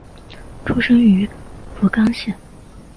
出身于福冈县。